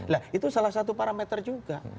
nah itu salah satu parameter juga